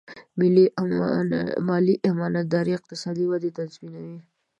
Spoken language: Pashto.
مالي امانتداري اقتصادي ودې تضمینوي.